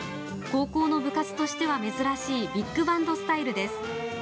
高校の部活としては珍しいビッグバンドスタイルです。